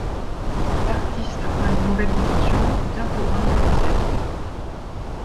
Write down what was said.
L'artiste prend une nouvelle dimension, bien plus grande que l'ancienne.